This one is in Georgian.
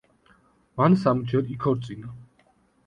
მან სამჯერ იქორწინა.